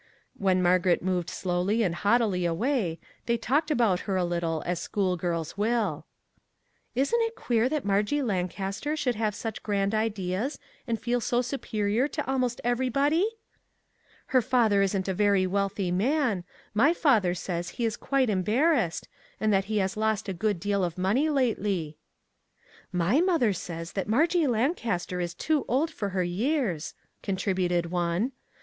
When Margaret moved slowly and haughtily away, they talked about her a little, as school girls will. " Isn't it queer that Margie Lancaster should" have such grand ideas, and feel so superior to almost everybody? Her father isn't a very wealthy man; my father says he is quite em barrassed, and that he has lost a good deal of money lately." " My mother says that Margie Lancaster is too old for her years," contributed one.